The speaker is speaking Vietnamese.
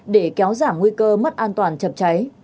để kéo giảm nguy cơ mất an toàn chập cháy